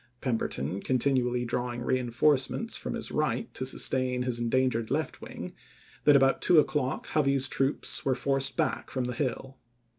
Pemberton continually drawing reinforcements from his right to sustain his endangered left wing, that about two o'clock Hovey's troops were forced back from the Hill.